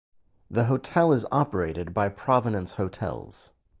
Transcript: The hotel is operated by Provenance Hotels.